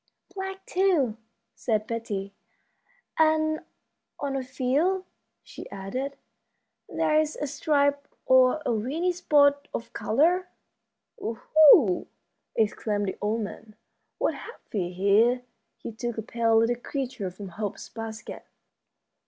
"Black, too," said Betty; "and on a few," she added, "there's a stripe or a weeny spot of color." "Oho!" exclaimed the old man, "what have we here?" He took a pale little creature from Hope's basket.